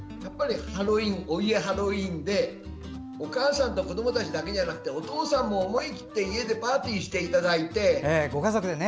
お家ハロウィーンでお母さんと子どもたちだけでなくお父さんも思い切って家でパーティーしていただいて。